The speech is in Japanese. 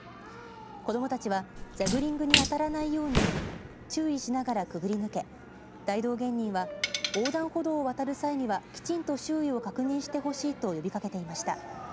子どもたちはジャグリングに当たらないように注意しながら、くぐり抜け大道芸人は横断歩道を渡る際にはきちんと周囲を確認してほしいと呼びかけていました。